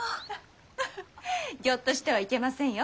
フフギョッとしてはいけませんよ。